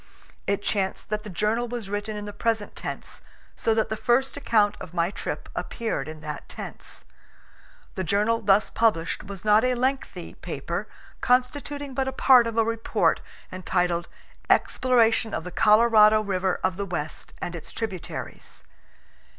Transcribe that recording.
It chanced that the journal was written in the present tense, so that the first account of my trip appeared in that tense. The journal thus published was not a lengthy paper, constituting but a part of a report entitled "Exploration of the Colorado River of the West and its Tributaries.